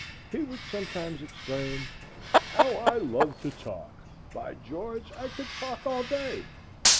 He would sometimes exclaim, "How I love to talk! By George, I could talk all day!"